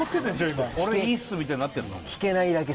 今俺いいっすみたいになってんの？